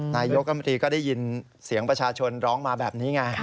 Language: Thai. นายกรมตรีก็ได้ยินเสียงประชาชนร้องมาแบบนี้ไง